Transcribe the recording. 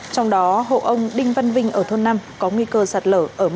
trong đó hộ ông đinh văn vinh ở thôn năm có nguy cơ sạt lở